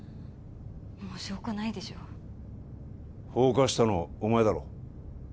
もう証拠ないでしょ放火したのお前だろ